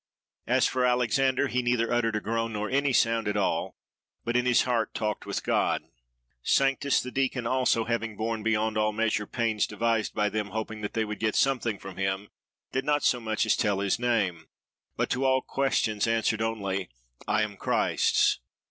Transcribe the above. As for Alexander, he neither uttered a groan nor any sound at all, but in his heart talked with God. Sanctus, the deacon, also, having borne beyond all measure pains devised by them, hoping that they would get something from him, did not so much as tell his name; but to all questions answered only, I am Christ's!